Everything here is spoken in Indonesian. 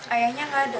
ayahnya tidak ada